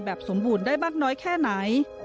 สมบูรณ์ได้มากน้อยแค่ไหน